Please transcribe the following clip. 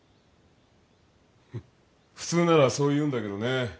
普通ならそう言うんだけどね